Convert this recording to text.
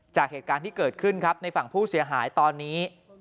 จากเหตุการณ์ที่เกิดขึ้นครับในฝั่งผู้เสียหายตอนนี้